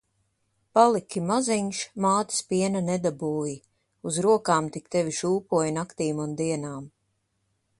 Paliki maziņš, mātes piena nedabūji. Uz rokām tik tevi šūpoju naktīm un dienām.